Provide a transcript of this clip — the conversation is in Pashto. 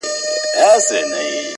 ناروغان یې ماشومان او بوډاګان کړل،